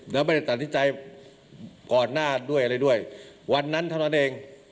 แล้วไม่ได้ตัดสินใจก่อนหน้าด้วยอะไรด้วยวันนั้นเท่านั้นเอง